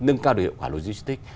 nâng cao được hiệu quả logistics